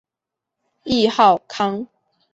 谥号康。